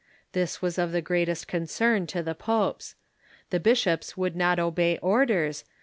This was of the greatest concern to the popes. The bishops would not obey orders.